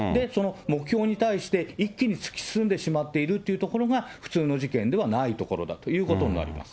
目標に対して、一気に突き進んでしまっているっていうところが、普通の事件ではないというところだということになります。